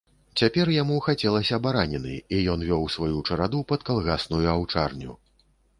Цяпер яму хацелася бараніны, і ён вёў сваю чараду пад калгасную аўчарню.